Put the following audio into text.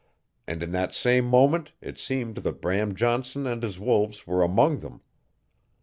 And in that same moment it seemed that Bram Johnson and his wolves were among them.